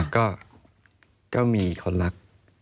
ก็มีคนรัก